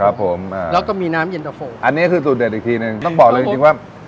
ครับผมอ่าแล้วก็มีน้ำเย็นตะโฟอันนี้คือสูตรเด็ดอีกทีหนึ่งต้องบอกเลยจริงจริงว่า